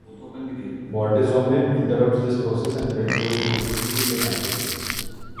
Bortezomib interrupts this process and lets those proteins kill the cancer cells.